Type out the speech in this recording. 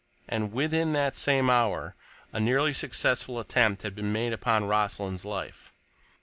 And within that same hour a nearly successful attempt had been made upon Rossland's life.